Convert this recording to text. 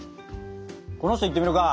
この人いってみるか。